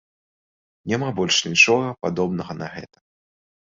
Няма больш нічога, падобнага на гэта.